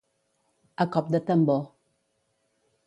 A cop de tambor.